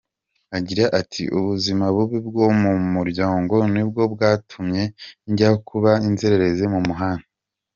Agira ati “Ubuzima bubi bwo mu muryango nibwo bwatumye njya kuba inzererezi mu muhanda.